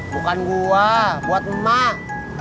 bukan gue buat mak